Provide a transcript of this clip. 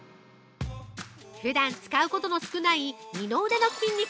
◆ふだん使うことの少ない二の腕の筋肉。